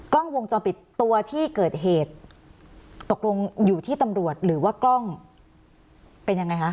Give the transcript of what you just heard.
กล้องวงจรปิดตัวที่เกิดเหตุตกลงอยู่ที่ตำรวจหรือว่ากล้องเป็นยังไงคะ